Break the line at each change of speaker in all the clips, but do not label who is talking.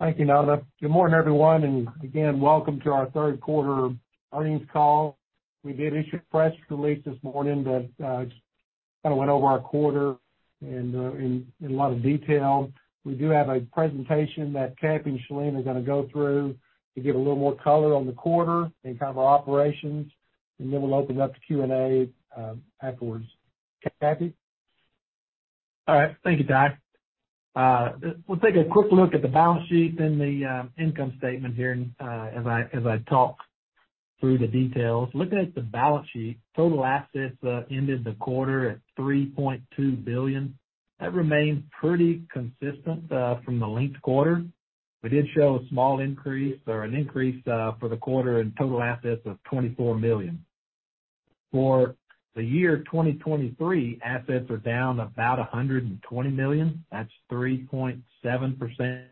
Thank you, Nora. Good morning, everyone, and again, welcome to our third quarter earnings call. We did issue a press release this morning that just kind of went over our quarter and in a lot of detail. We do have a presentation that Shalene is going to go through to give a little more color on the quarter and kind of our operations, and then we'll open it up to Q&A afterwards. Cappy?
All right. Thank you, Ty. We'll take a quick look at the balance sheet, then the income statement here, and as I talk through the details. Looking at the balance sheet, total assets ended the quarter at $3.2 billion. That remained pretty consistent from the linked quarter. We did show a small increase or an increase for the quarter in total assets of $24 million. For the year 2023, assets are down about $120 million. That's 3.7%.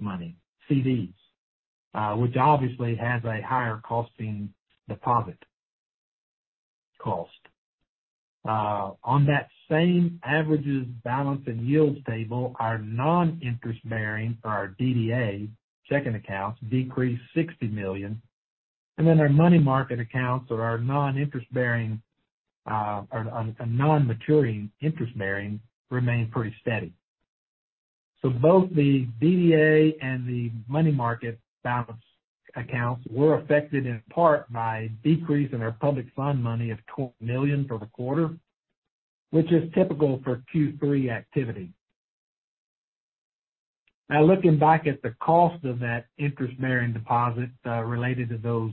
Money, CDs, which obviously has a higher costing deposit cost. On that same averages, balance, and yield table, our non-interest-bearing, or our DDA checking accounts, decreased $60 million, and then our money market accounts or our non-interest-bearing or non-maturing interest-bearing remained pretty steady. So both the DDA and the money market balance accounts were affected in part by a decrease in our public funds of $12 million for the quarter, which is typical for Q3 activity. Now, looking back at the cost of that interest-bearing deposit related to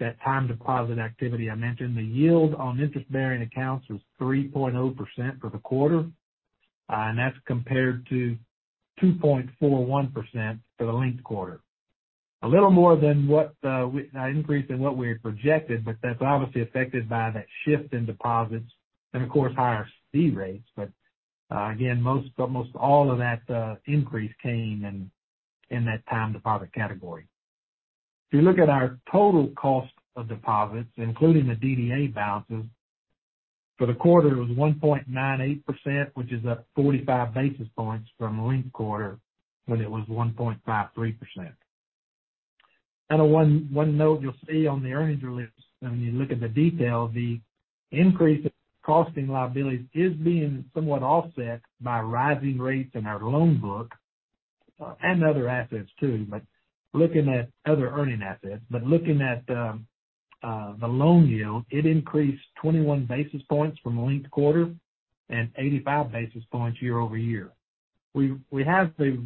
that time deposit activity I mentioned, the yield on interest-bearing accounts was 3.0% for the quarter, and that's compared to 2.41% for the linked quarter. A little more than what we had projected, but that's obviously affected by that shift in deposits and of course, higher fee rates. But, again, most, almost all of that increase came in that time deposit category. If you look at our total cost of deposits, including the DDA balances, for the quarter, it was 1.98%, which is up 45 basis points from linked quarter, when it was 1.53%. And one note you'll see on the earnings release when you look at the detail, the increase in costing liabilities is being somewhat offset by rising rates in our loan book, and other assets too. But looking at the loan yield, it increased 21 basis points from linked quarter and 85 basis points year-over-year. We have the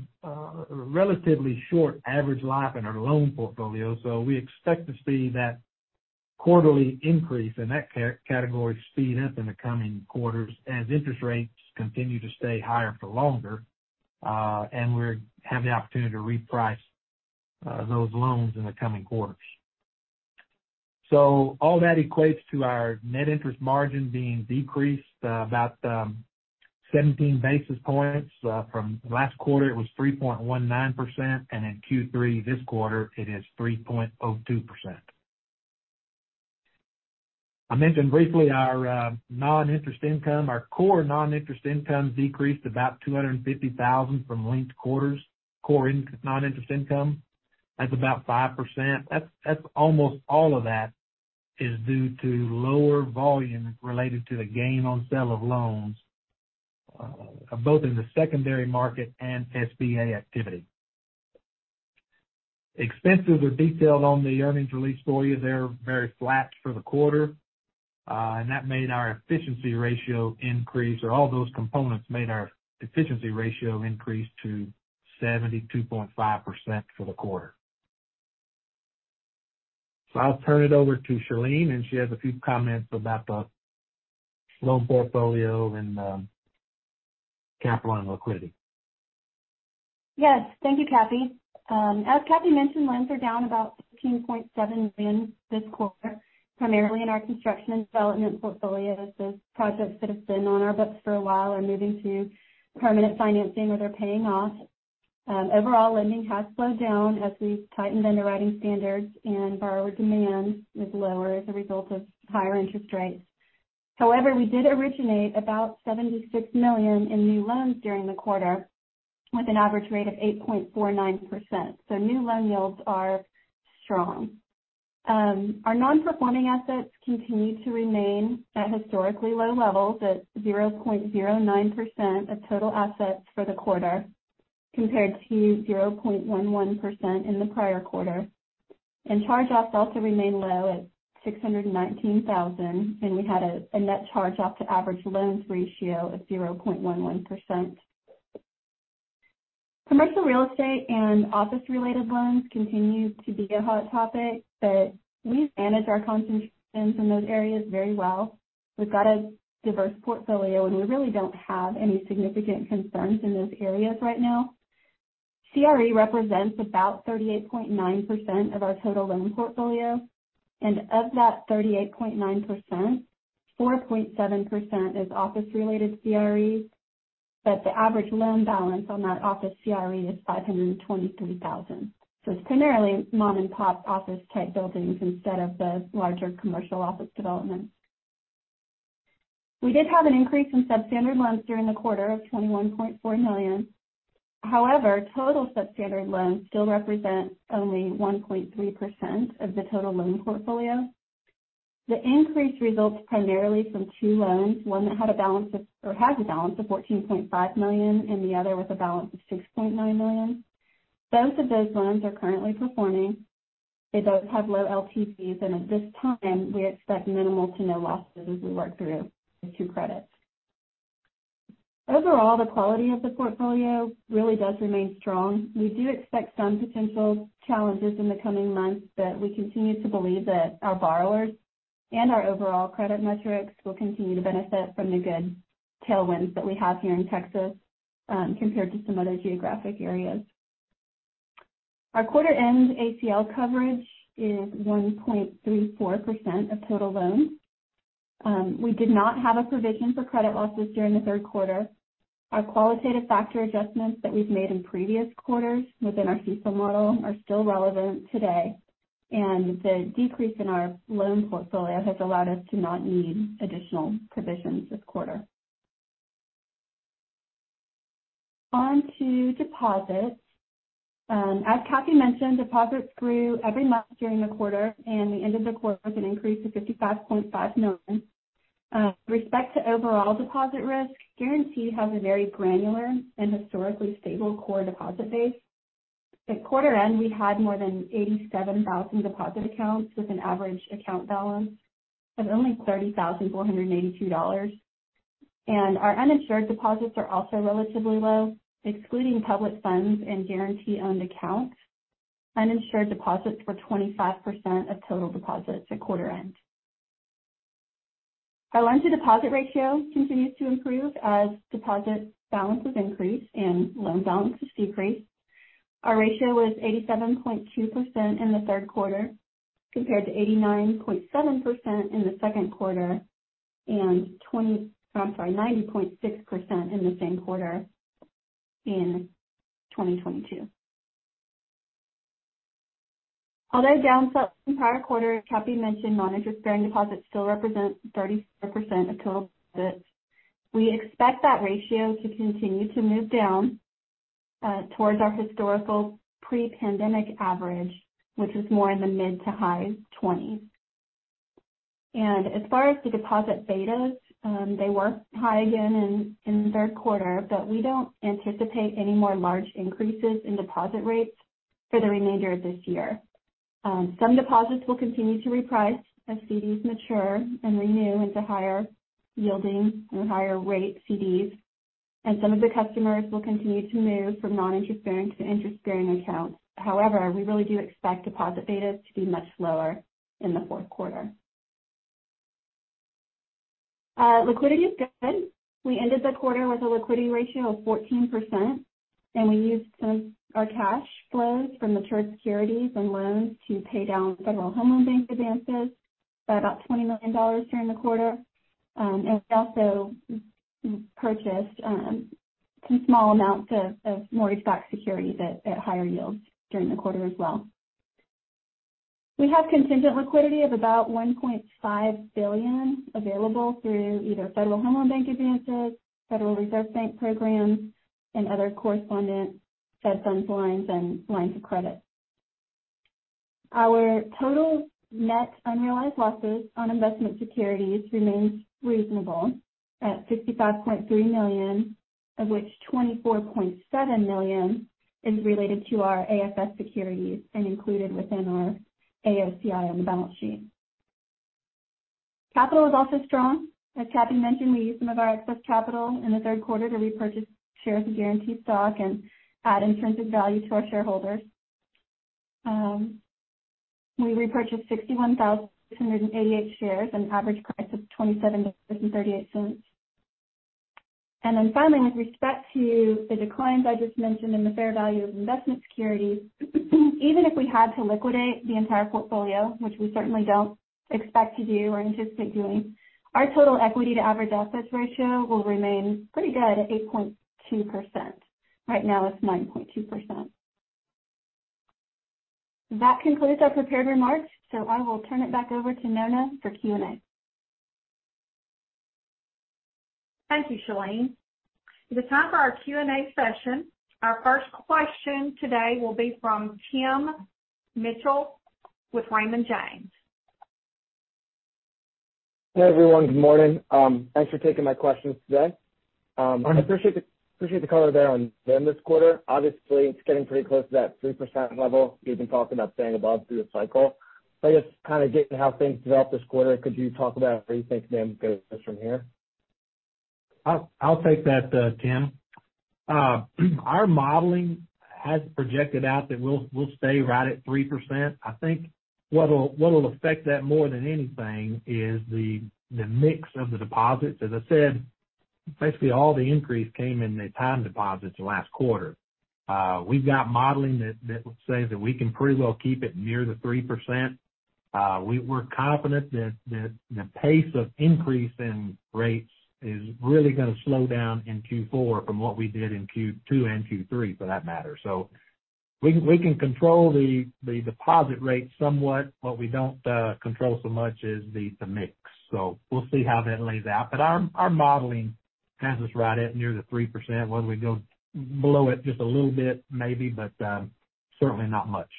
relatively short average life in our loan portfolio, so we expect to see that quarterly increase in that category speed up in the coming quarters as interest rates continue to stay higher for longer, and we have the opportunity to reprice those loans in the coming quarters. So all that equates to our net interest margin being decreased about 17 basis points. From last quarter, it was 3.19%, and in Q3 this quarter it is 3.02%. I mentioned briefly our non-interest income. Our core non-interest income decreased about $250,000 from linked quarters. Core non-interest income, that's about 5%. That's, that's almost all of that is due to lower volume related to the gain on sale of loans, both in the secondary market and SBA activity. Expenses are detailed on the earnings release for you. They're very flat for the quarter, and that made our efficiency ratio increase, or all those components made our efficiency ratio increase to 72.5% for the quarter. So I'll turn it over to Shalene, and she has a few comments about the loan portfolio and, capital and liquidity.
Yes, thank you, Cappy. As Cappy mentioned, loans are down about $16.7 million this quarter, primarily in our construction and development portfolios. Those projects that have been on our books for a while are moving to permanent financing or they're paying off. Overall lending has slowed down as we've tightened underwriting standards and borrower demand is lower as a result of higher interest rates. However, we did originate about $76 million in new loans during the quarter, with an average rate of 8.49%. So new loan yields are strong. Our non-performing assets continue to remain at historically low levels at 0.09% of total assets for the quarter, compared to 0.11% in the prior quarter. Charge-offs also remained low at $619,000, and we had a net charge-off to average loans ratio of 0.11%. Commercial real estate and office-related loans continue to be a hot topic, but we've managed our concentrations in those areas very well. We've got a diverse portfolio, and we really don't have any significant concerns in those areas right now. CRE represents about 38.9% of our total loan portfolio, and of that 38.9%, 4.7% is office-related CRE. But the average loan balance on that office CRE is $523,000. So it's primarily mom-and-pop office-type buildings instead of the larger commercial office developments. We did have an increase in substandard loans during the quarter of $21.4 million. However, total substandard loans still represent only 1.3% of the total loan portfolio. The increase results primarily from two loans, one that had a balance of, or has a balance of $14.5 million, and the other with a balance of $6.9 million. Both of those loans are currently performing. They both have low LTV, and at this time, we expect minimal to no losses as we work through the two credits. Overall, the quality of the portfolio really does remain strong. We do expect some potential challenges in the coming months, but we continue to believe that our borrowers and our overall credit metrics will continue to benefit from the good tailwinds that we have here in Texas, compared to some other geographic areas. Our quarter-end ACL coverage is 1.34% of total loans. We did not have a provision for credit losses during the third quarter. Our qualitative factor adjustments that we've made in previous quarters within our CECL model are still relevant today, and the decrease in our loan portfolio has allowed us to not need additional provisions this quarter. On to deposits. As Cappy mentioned, deposits grew every month during the quarter, and we ended the quarter with an increase of $55.5 million. With respect to overall deposit risk, Guaranty has a very granular and historically stable core deposit base. At quarter end, we had more than 87,000 deposit accounts, with an average account balance of only $30,482. Our uninsured deposits are also relatively low, excluding public funds and Guaranty-owned accounts. Uninsured deposits were 25% of total deposits at quarter end. Our loan-to-deposit ratio continues to improve as deposit balances increase and loan balances decrease. Our ratio was 87.2% in the third quarter, compared to 89.7% in the second quarter and, I'm sorry, 90.6% in the same quarter in 2022. Although it down some prior quarter, Cappy mentioned noninterest-bearing deposits still represent 34% of total deposits. We expect that ratio to continue to move down, towards our historical pre-pandemic average, which is more in the mid to high-20s. And as far as the deposit betas, they were high again in the third quarter, but we don't anticipate any more large increases in deposit rates for the remainder of this year. Some deposits will continue to reprice as CDs mature and renew into higher yielding and higher rate CDs, and some of the customers will continue to move from non-interest bearing to interest-bearing accounts. However, we really do expect deposit betas to be much lower in the fourth quarter. Liquidity is good. We ended the quarter with a liquidity ratio of 14%, and we used some of our cash flows from matured securities and loans to pay down Federal Home Loan Bank advances by about $20 million during the quarter. We also purchased some small amounts of mortgage-backed securities at higher yields during the quarter as well. We have contingent liquidity of about $1.5 billion available through either Federal Home Loan Bank advances, Federal Reserve Bank programs, and other correspondent Fed Funds lines and lines of credit. Our total net unrealized losses on investment securities remains reasonable at $65.3 million, of which $24.7 million is related to our AFS securities and included within our AOCI on the balance sheet. Capital is also strong. As Cappy mentioned, we used some of our excess capital in the third quarter to repurchase shares of Guaranty stock and add intrinsic value to our shareholders. We repurchased 61,688 shares at an average price of $27.38. Then finally, with respect to the declines I just mentioned in the fair value of investment securities, even if we had to liquidate the entire portfolio, which we certainly don't expect to do or anticipate doing, our total equity to average assets ratio will remain pretty good at 8.2%. Right now, it's 9.2%. That concludes our prepared remarks, so I will turn it back over to Nora for Q&A.
Thank you, Shalene. It is time for our Q&A session. Our first question today will be from Tim Mitchell with Raymond James.
Hey, everyone. Good morning. Thanks for taking my questions today. I appreciate the color there on NIM this quarter. Obviously, it's getting pretty close to that 3% level you've been talking about staying above through the cycle. But just kind of getting how things developed this quarter, could you talk about where you think NIM goes from here?
I'll take that, Tim. Our modeling has projected out that we'll stay right at 3%. I think what'll affect that more than anything is the mix of the deposits. As I said, basically, all the increase came in the time deposits last quarter. We've got modeling that says that we can pretty well keep it near the 3%. We're confident that the pace of increase in rates is really going to slow down in Q4 from what we did in Q2 and Q3, for that matter. So we can control the deposit rate somewhat, what we don't control so much is the mix. So we'll see how that lays out. But our modeling has us right at near the 3%. Whether we go below it just a little bit, maybe, but, certainly not much.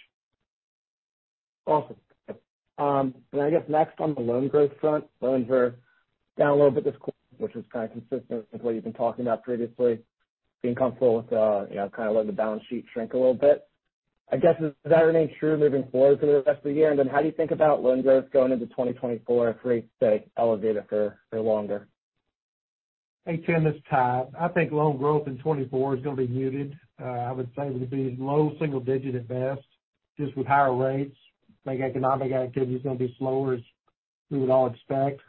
Awesome. And I guess next on the loan growth front, loans were down a little bit this quarter, which is kind of consistent with what you've been talking about previously, being comfortable with, you know, kind of letting the balance sheet shrink a little bit. I guess, does that remain true moving forward for the rest of the year? And then how do you think about loan growth going into 2024 if rates stay elevated for, for longer?
Hey, Tim, it's Ty. I think loan growth in 2024 is going to be muted. I would say it would be low single digit at best, just with higher rates. I think economic activity is going to be slower, as we would all expect.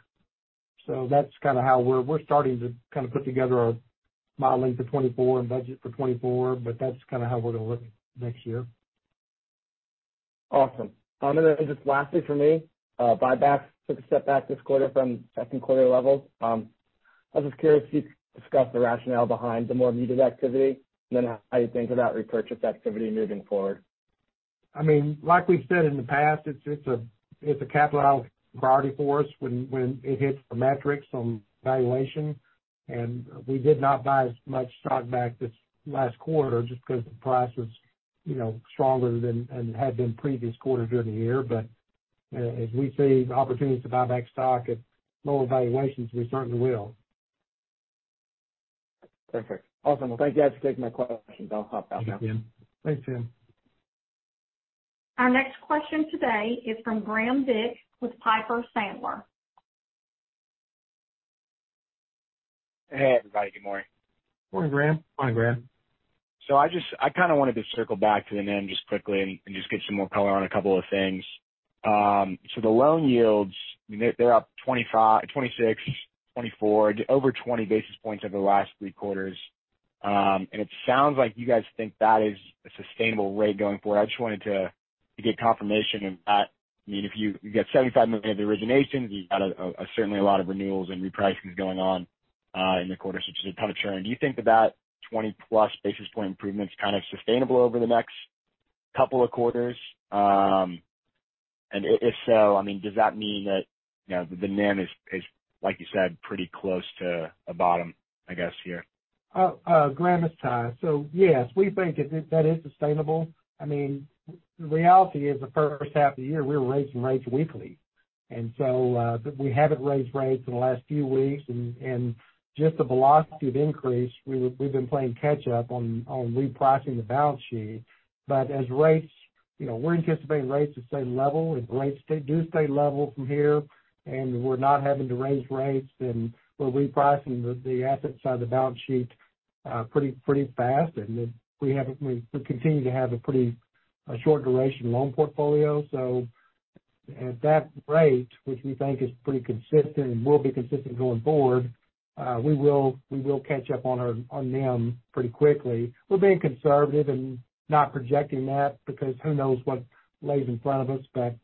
So that's kind of how we're starting to kind of put together our modeling for 2024 and budget for 2024, but that's kind of how we're going to look next year.
Awesome. And then just lastly for me, buybacks took a step back this quarter from second quarter levels. I was just curious if you could discuss the rationale behind the more muted activity and then how you think about repurchase activity moving forward?
I mean, like we've said in the past, it's a capital priority for us when it hits the metrics on valuation. And we did not buy as much stock back this last quarter just because the price was, you know, stronger than it had been previous quarters during the year. But, if we see the opportunity to buy back stock at lower valuations, we certainly will.
Perfect. Awesome. Well, thank you guys for taking my questions. I'll hop out now.
Thank you. Thanks, Tim.
Our next question today is from Graham Dick with Piper Sandler.
Hey, everybody. Good morning.
Morning, Graham.
Morning, Graham.
So I just, I kind of wanted to circle back to the NIM just quickly and just get some more color on a couple of things. So the loan yields, they're up 25, 26, 24, over 20 basis points over the last three quarters. And it sounds like you guys think that is a sustainable rate going forward. I just wanted to get confirmation on that. I mean, if you got $75 million of originations, you've had certainly a lot of renewals and repricings going on in the quarter, so just a ton of churn. Do you think that 20+ basis point improvement is kind of sustainable over the next couple of quarters? And if so, I mean, does that mean that, you know, the NIM is like you said, pretty close to a bottom, I guess, here?
Oh, Graham, it's Ty. So yes, we think that that is sustainable. I mean, the reality is, the first half of the year, we were raising rates weekly. And so, but we haven't raised rates in the last few weeks, and just the velocity of increase, we've been playing catch up on repricing the balance sheet. But as rates, you know, we're anticipating rates to stay level. If rates stay do stay level from here, and we're not having to raise rates, then we're repricing the asset side of the balance sheet pretty fast. And we continue to have a pretty short duration loan portfolio. So at that rate, which we think is pretty consistent and will be consistent going forward, we will catch up on our on NIM pretty quickly. We're being conservative and not projecting that, because who knows what lies in front of us. But,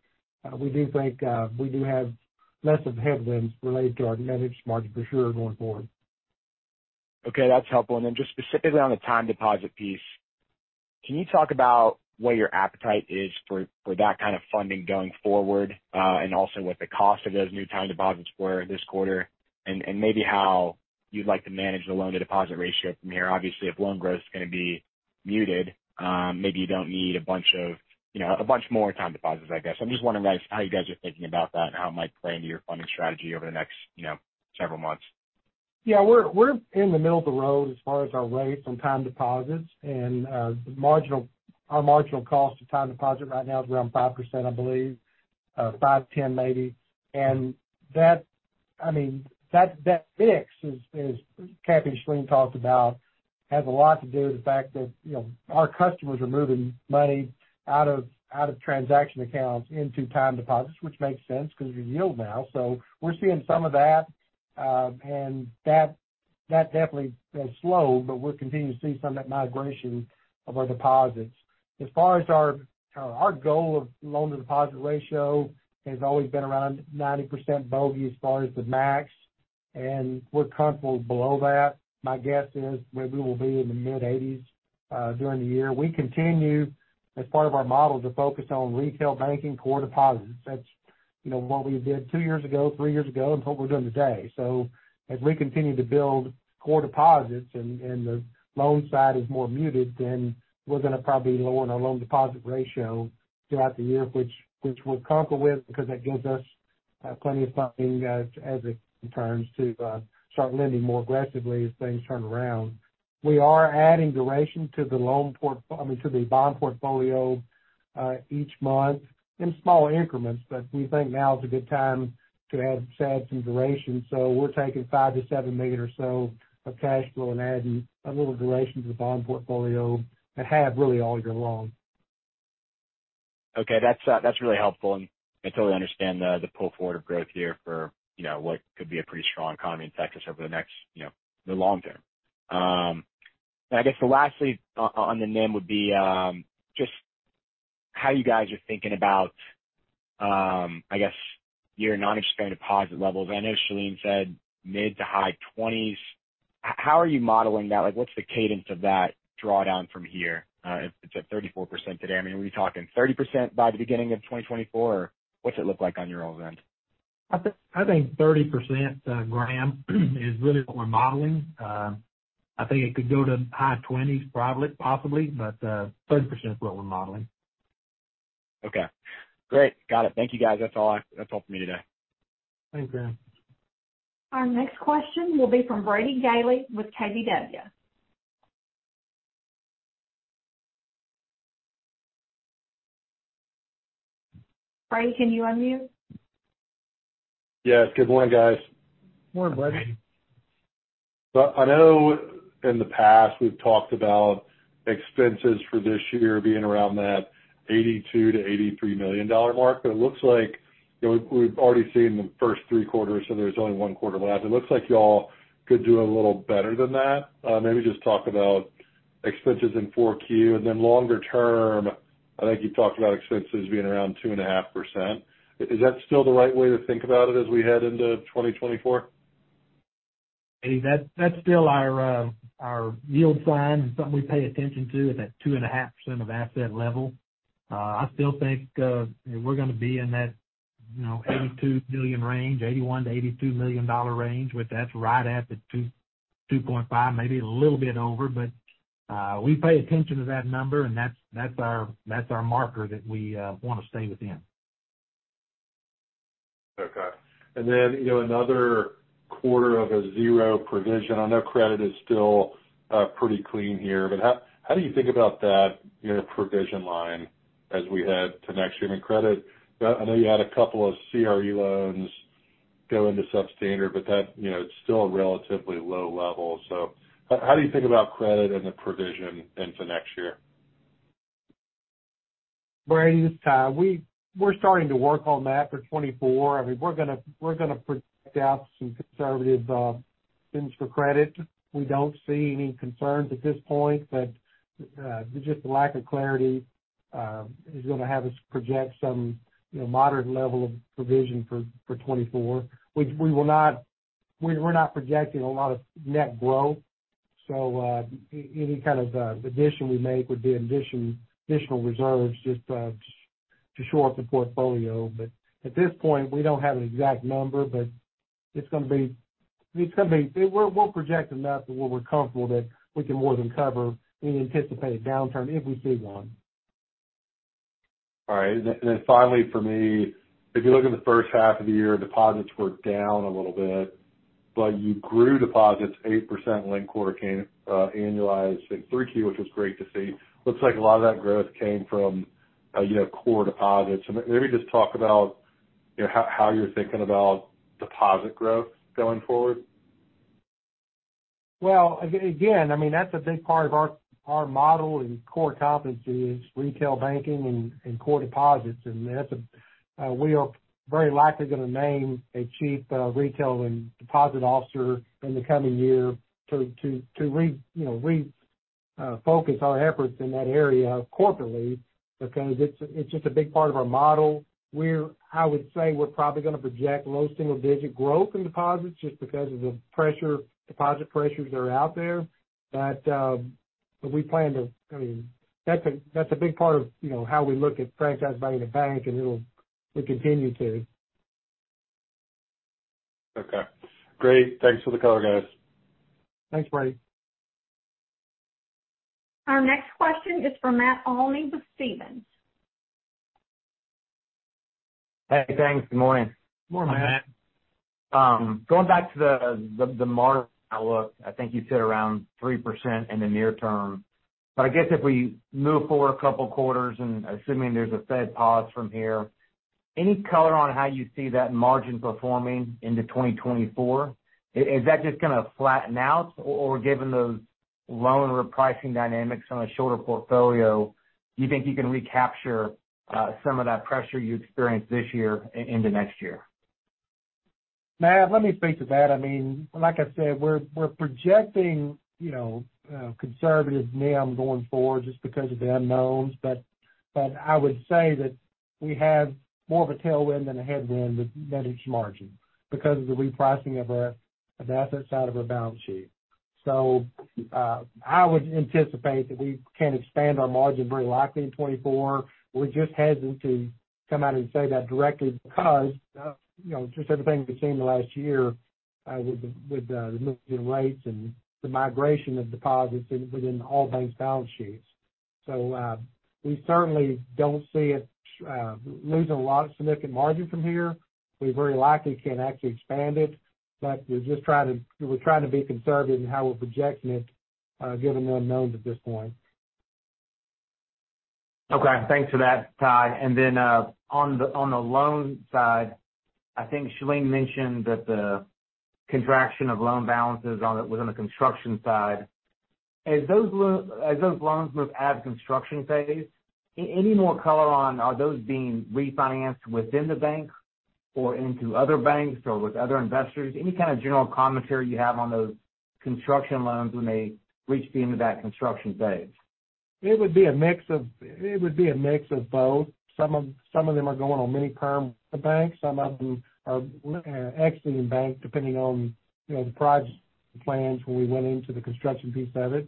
we do think, we do have less of the headwinds related to our managed margin for sure going forward.
Okay, that's helpful. And then just specifically on the time deposit piece, can you talk about what your appetite is for that kind of funding going forward, and also what the cost of those new time deposits were this quarter, and maybe how you'd like to manage the loan-to-deposit ratio from here? Obviously, if loan growth is going to be muted, maybe you don't need a bunch of, you know, a bunch more time deposits, I guess. I'm just wondering how you guys are thinking about that and how it might play into your funding strategy over the next, you know, several months.
Yeah, we're in the middle of the road as far as our rates on time deposits. And our marginal cost of time deposit right now is around 5%, I believe, 5.10% maybe. And that, I mean, that fix, as Cappy and Shalene talked about, has a lot to do with the fact that, you know, our customers are moving money out of transaction accounts into time deposits, which makes sense because of your yield now. So we're seeing some of that, and that definitely has slowed, but we're continuing to see some of that migration of our deposits. As far as our goal of loan-to-deposit ratio has always been around 90% bogey as far as the max, and we're comfortable below that. My guess is maybe we'll be in the mid-80s during the year. We continue, as part of our model, to focus on retail banking, core deposits. That's, you know, what we did two years ago, three years ago, and what we're doing today. So as we continue to build core deposits and the loan side is more muted, then we're going to probably lower our loan deposit ratio throughout the year, which we're comfortable with, because that gives us plenty of funding as it turns to start lending more aggressively as things turn around. We are adding duration to the loan port- I mean, to the bond portfolio, each month in small increments, but we think now is a good time to add some duration. So we're taking $5 million-$7 million or so of cash flow and adding a little duration to the bond portfolio and have really all year long.
Okay, that's really helpful. And I totally understand the pull forward of growth here for, you know, what could be a pretty strong economy in Texas over the next, you know, the long term. I guess lastly on the NIM would be just how you guys are thinking about, I guess, your non-interest deposit levels. I know Shalene said mid to high 20s. How are you modeling that? Like, what's the cadence of that drawdown from here? It's at 34% today. I mean, are we talking 30% by the beginning of 2024, or what's it look like on your event?
I think, I think 30%, Graham, is really what we're modeling. I think it could go to high 20s, probably, possibly, but, 30% is what we're modeling.
Okay, great. Got it. Thank you, guys. That's all for me today.
Thanks, Graham.
Our next question will be from Brady Gailey with KBW. Brady, can you unmute?
Yes, good morning, guys.
Good morning, Brady.
So I know in the past, we've talked about expenses for this year being around that $82 million-$83 million mark, but it looks like, you know, we've already seen the first three quarters, so there's only one quarter left. It looks like y'all could do a little better than that. Maybe just talk about expenses in 4Q. And then longer term, I think you talked about expenses being around 2.5%. Is that still the right way to think about it as we head into 2024?
Hey, that's, that's still our yield sign and something we pay attention to is that 2.5% of asset level. I still think we're gonna be in that, you know, $82 million range, $81 million-$82 million range, with that's right at the 2%, 2.5%, maybe a little bit over. But we pay attention to that number, and that's, that's our, that's our marker that we want to stay within.
Okay. And then, you know, another quarter of a zero provision. I know credit is still pretty clean here, but how do you think about that in a provision line as we head to next year? I mean, credit, I know you had a couple of CRE loans go into substandard, but that, you know, it's still a relatively low level. So how do you think about credit and the provision into next year?
Brady, it's we're starting to work on that for 2024. I mean, we're gonna, we're gonna project out some conservative things for credit. We don't see any concerns at this point, but just the lack of clarity is gonna have us project some, you know, moderate level of provision for 2024. Which we will not, we're not projecting a lot of net growth, so any kind of addition we make would be additional reserves just to shore up the portfolio. But at this point, we don't have an exact number, but it's gonna be, it's gonna be, we're, we'll project enough to where we're comfortable that we can more than cover any anticipated downturn if we see one.
All right. And then, and then finally, for me, if you look in the first half of the year, deposits were down a little bit, but you grew deposits 8% linked quarter annualized in 3Q, which was great to see. Looks like a lot of that growth came from, you know, core deposits. So maybe just talk about, you know, how, how you're thinking about deposit growth going forward.
Well, again, I mean, that's a big part of our model and core competency is retail banking and core deposits. And that's, we are very likely gonna name a chief retail and deposit officer in the coming year to refocus our efforts in that area corporately, because it's just a big part of our model. We're, I would say we're probably gonna project low single-digit growth in deposits just because of the deposit pressures that are out there. But we plan to. I mean, that's a big part of how we look at franchise value in the bank, and we'll continue to.
Okay, great. Thanks for the color, guys.
Thanks, Brady.
Our next question is from Matt Olney with Stephens.
Hey, thanks. Good morning.
Good morning, Matt.
Going back to the market outlook, I think you said around 3% in the near term. But I guess if we move forward a couple of quarters, and assuming there's a Fed pause from here, any color on how you see that margin performing into 2024? Is that just gonna flatten out? Or given those loan repricing dynamics on a shorter portfolio, do you think you can recapture some of that pressure you experienced this year into next year?
Matt, let me speak to that. I mean, like I said, we're projecting, you know, conservative NIM going forward just because of the unknowns. But I would say that we have more of a tailwind than a headwind with net interest margin because of the repricing of our, the asset side of our balance sheet. So, I would anticipate that we can expand our margin very likely in 2024. We're just hesitant to come out and say that directly because, you know, just everything we've seen in the last year, with the movement in rates and the migration of deposits within all banks' balance sheets. So, we certainly don't see it losing a lot of significant margin from here. We very likely can actually expand it, but we're just trying to be conservative in how we're projecting it, given the unknowns at this point.
Okay, thanks for that, Ty. And then, on the loan side, I think Shalene mentioned that the contraction of loan balances on it was on the construction side. As those loans move out of construction phase, any more color on, are those being refinanced within the bank or into other banks or with other investors? Any kind of general commentary you have on those construction loans when they reach the end of that construction phase?
It would be a mix of both. Some of them are going on mini-perm within the bank, some of them are exiting bank, depending on, you know, the project plans when we went into the construction piece of it.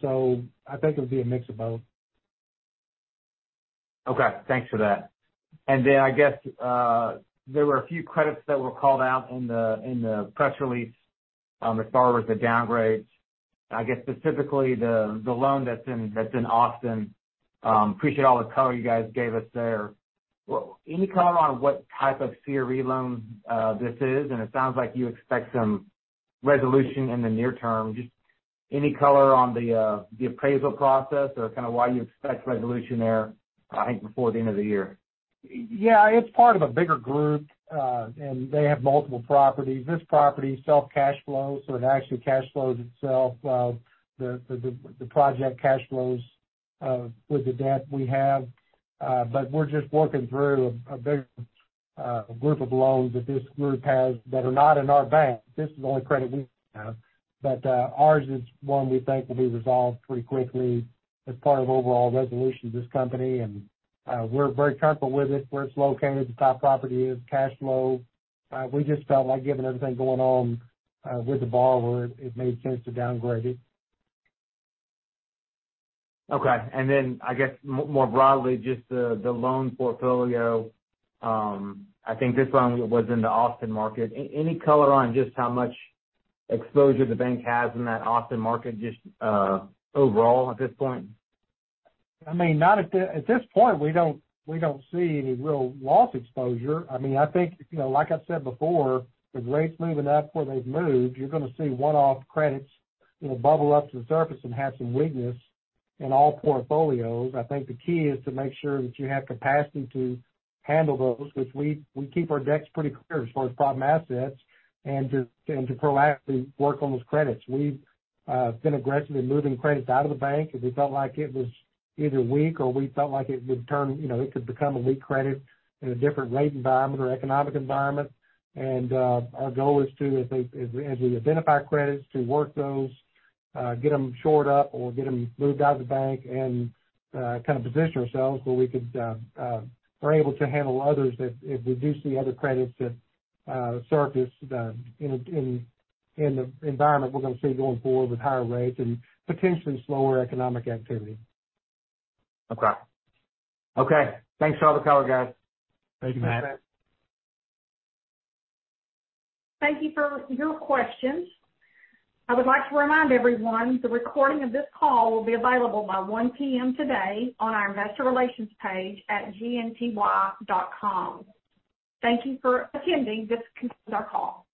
So I think it would be a mix of both.
Okay, thanks for that. And then I guess there were a few credits that were called out in the press release on the borrowers, the downgrades. I guess specifically the loan that's in Austin. Appreciate all the color you guys gave us there. Well, any color on what type of CRE loan this is? And it sounds like you expect some resolution in the near term. Just any color on the appraisal process or kind of why you expect resolution there, I think, before the end of the year?
Yeah, it's part of a bigger group, and they have multiple properties. This property self-cash flows, so it actually cash flows itself. The project cash flows with the debt we have. But we're just working through a bigger group of loans that this group has that are not in our bank. This is the only credit we have. But ours is one we think will be resolved pretty quickly as part of overall resolution of this company. And we're very comfortable with it, where it's located, the type of property is, cash flow. We just felt like given everything going on with the borrower, it made sense to downgrade it.
Okay. And then I guess more broadly, just the loan portfolio, I think this one was in the Austin market. Any color on just how much exposure the bank has in that Austin market, just overall at this point?
I mean, not at this point, we don't, we don't see any real loss exposure. I mean, I think, you know, like I said before, with rates moving up where they've moved, you're gonna see one-off credits, you know, bubble up to the surface and have some weakness in all portfolios. I think the key is to make sure that you have capacity to handle those, which we, we keep our decks pretty clear as far as problem assets, and to, and to proactively work on those credits. We've been aggressive in moving credits out of the bank if we felt like it was either weak or we felt like it would turn, you know, it could become a weak credit in a different rate environment or economic environment. Our goal is to, as we identify credits, work those, get them shored up or get them moved out of the bank and kind of position ourselves where we are able to handle others that, if we do see other credits that surface, in the environment we're gonna see going forward with higher rates and potentially slower economic activity.
Okay. Okay, thanks for all the color, guys.
Thank you, Matt.
Thank you for your questions. I would like to remind everyone the recording of this call will be available by 1 P.M. today on our investor relations page at gnty.com. Thank you for attending. This concludes our call.